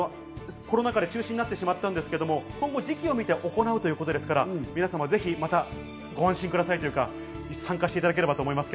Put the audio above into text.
コロナ禍で中止になってしまったんですけれども、今後、時期を見て行うということですから、皆様ぜひまたご安心くださいというか、参加していただければと思います。